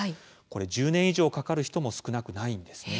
１０年以上かかる人も少なくないんです。